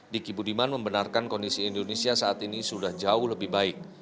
diki budiman membenarkan kondisi indonesia saat ini sudah jauh lebih baik